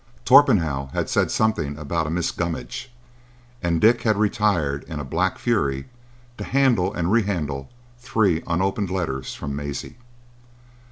Torpenhow had said something about a Mrs. Gummidge, and Dick had retired in a black fury to handle and re handle three unopened letters from Maisie.